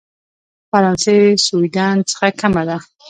فرانسې سوېډن څخه کمه ده.